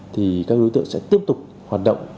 thì các đối tượng sẽ tiếp tục hoạt động